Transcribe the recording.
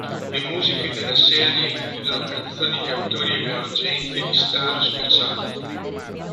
Le musiche della serie includono canzoni di autori emergenti e di star speciali.